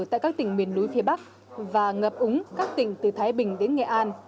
tại các tỉnh miền núi phía bắc và ngập úng các tỉnh